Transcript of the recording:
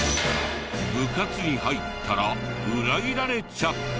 部活に入ったら裏切られちゃった。